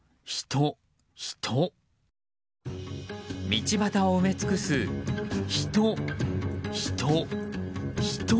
道端を埋め尽くす人、人、人。